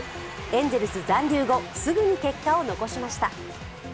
エンゼルス残留後、すぐに結果を残しました。